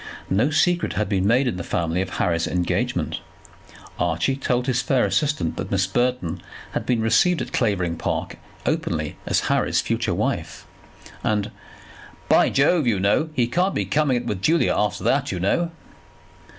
No secret had been made in the family of Harry's engagement. Archie told his fair assistant that Miss Burton had been received at Clavering Park openly as Harry's future wife, and, "by Jove, you know, he can't be coming it with Julia after that, you know."